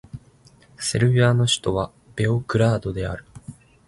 セルビアの首都はベオグラードである